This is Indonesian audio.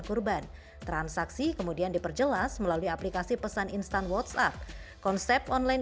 kurban transaksi kemudian diperjelas melalui aplikasi pesan instan whatsapp konsep online